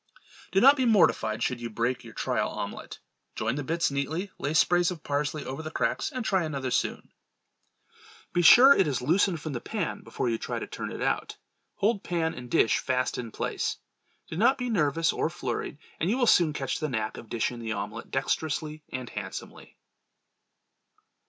Do not be mortified should you break your trial omelette. Join the bits neatly; lay sprays of parsley over the cracks and try another soon. Be sure it is loosened from the pan before you try to turn it out; hold pan and dish fast in place; do not be nervous or flurried, and you will soon catch the knack of dishing the omelette dexterously and handsomely.